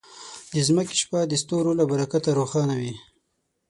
د ځمکې شپه د ستورو له برکته روښانه وي.